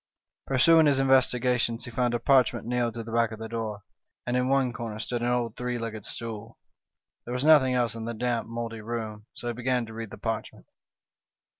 Pursuing his investi gations, he found a parchment nailed to the back of the door, and in one corner stood an old three legged stool. There was nothing else in the damp, mouldy room, so he began to read the parchment.